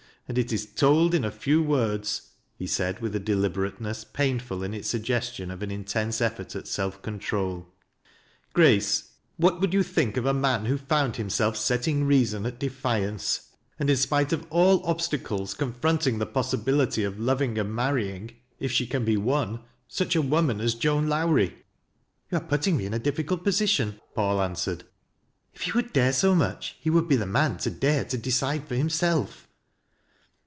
And it is told in a few words," he said, with a deliberateness pain ful in its suggestion of an intense effort at self control. " Grace, what would you think of a man who found himself setting reason at defiance, and in spite of all obstacles con fronting the possibility of loving and marrying — if she can be won — such a woman as Joan Lowrie %" "You are putting me in a difficult position," Paul answered. " If he would dare so much, he would be the man to dare to decide for himself."